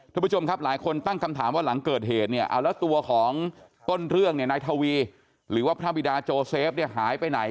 ทุกผู้ชมครับหลายคนตั้งคำถามว่าหลังเกิดเหตุเนี่ยเอาแล้วตัวของต้นเรื่องเนี่ยนายทวีหรือว่าพระบิดาโจเซฟเนี่ยหายไปไหน